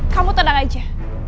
kamu tenang aja